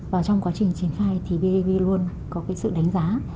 và trong quá trình chiến phai thì bidv luôn có sự đánh giá